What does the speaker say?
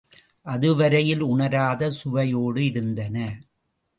அது வரையில் உணராத சுவையோடு இருந்தன.